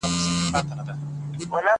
زه پرون مېوې راټولې کړې!.